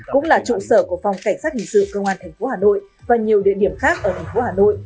cũng là trụ sở của phòng cảnh sát hình sự công an tp hà nội và nhiều địa điểm khác ở thành phố hà nội